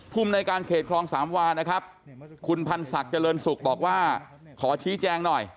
ภูมิในการเขตคลองสามวานะครับคุณพันธ์ศักดิ์เจริญสุขบอกว่าขอชี้แจงหน่อย